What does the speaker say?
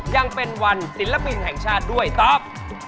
ยังเป็นวันศิลปินแห่งชาติด้วยตอบ